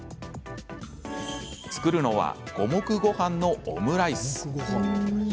作るのは五目ごはんのオムライス。